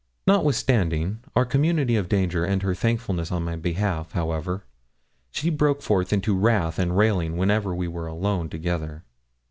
Notwithstanding our community of danger and her thankfulness on my behalf, however, she broke forth into wrath and railing whenever we were alone together.